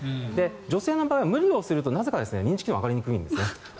女性の場合は無理をするとなぜか認知機能が上がりにくいんです。